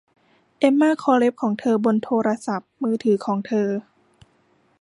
เอมม่าเคาะเล็บของเธอบนโทรศัพท์มือถือของเธอ